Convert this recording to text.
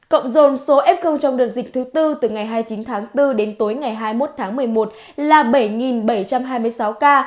cộng dồn số f trong đợt dịch thứ tư từ ngày hai mươi chín tháng bốn đến tối ngày hai mươi một tháng một mươi một là bảy bảy trăm hai mươi sáu ca